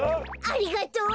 ありがとう。